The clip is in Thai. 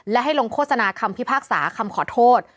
และให้ลงโฆษณาคำพิพากษาคำขอโทษ